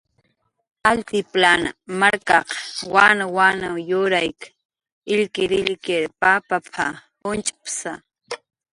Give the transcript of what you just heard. "Altiplan markaq wanwan yurayk illkirillkir papap""a, junch'psa"